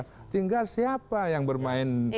setinggal siapa yang bermain